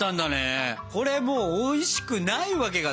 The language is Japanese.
これもうおいしくないわけがない。